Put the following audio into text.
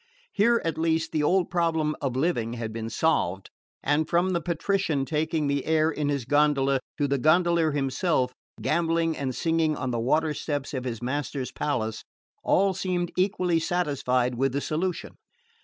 Here at least the old problem of living had been solved, and from the patrician taking the air in his gondola to the gondolier himself, gambling and singing on the water steps of his master's palace, all seemed equally satisfied with the solution.